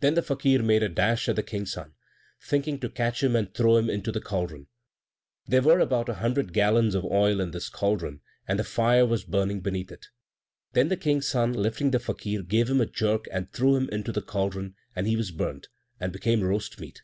Then the Fakir made a dash at the King's son, thinking to catch him and throw him into the caldron. There were about a hundred gallons of oil in this caldron, and the fire was burning beneath it. Then the King's son, lifting the Fakir, gave him a jerk and threw him into the caldron, and he was burnt, and became roast meat.